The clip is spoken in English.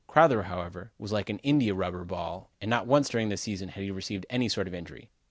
Crowther, however, was like an India rubber ball and not once during the season had he received any sort of injury.